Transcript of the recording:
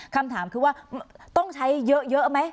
คำถามคือว่าต้องใช้เยอะไหม